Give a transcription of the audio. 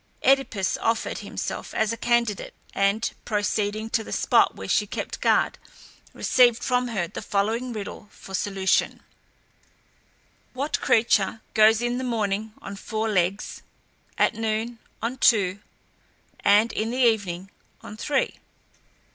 Oedipus offered himself as a candidate, and proceeding to the spot where she kept guard, received from her the following riddle for solution: "What creature goes in the morning on four legs, at noon on two, and in the evening on three?"